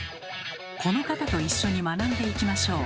この方と一緒に学んでいきましょう。